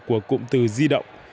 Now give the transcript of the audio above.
của cụm từ di động